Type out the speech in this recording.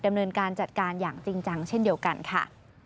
ดำเนินการจัดการอย่างจริงจังเช่นเดียวกันค่ะ